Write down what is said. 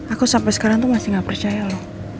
aku sampai sekarang tuh masih gak percaya loh